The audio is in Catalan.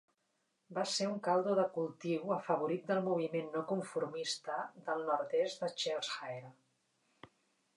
Va ser un caldo de cultiu afavorit del moviment no conformista del nord-est de Cheshire.